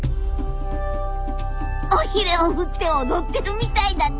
尾ひれを振って踊ってるみたいだね。